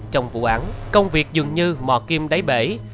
trong vụ án công việc dường như mò kim đáy bể